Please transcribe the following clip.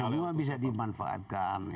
ya semua bisa dimanfaatkan